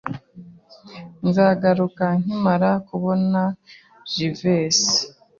Nzagaruka nkimara kubona Jivency.